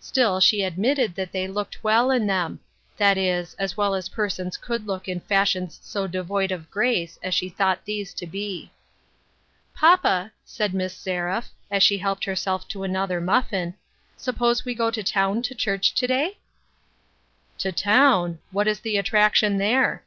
Still, she admitted that they looked well in them ; that is, as well as persons could look in fashions so devoid of grace as she thought these to be. " Papa," said Miss Seraph, as she helped her self to another muffin, " suppose we go to town to church to day ?"" To town ? What is the attraction there